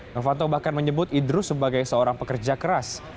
novanto bahkan menyebut idrus sebagai seorang pekerja keras